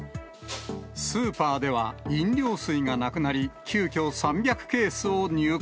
スーパーでは飲料水がなくなり、急きょ、３００ケースを入荷。